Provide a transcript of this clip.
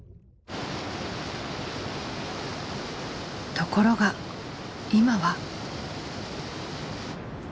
ところが今は。